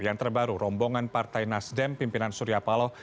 yang terbaru rombongan partai nasdem pimpinan surya paloh